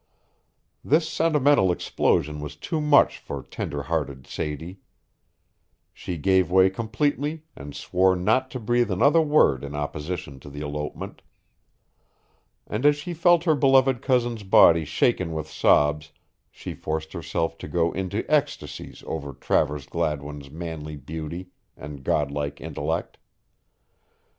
This sentimental explosion was too much for tender hearted Sadie. She gave way completely and swore not to breathe another word in opposition to the elopement. And as she felt her beloved cousin's body shaken with sobs, she forced herself to go into ecstasies over Travers Gladwin's manly beauty and god like intellect.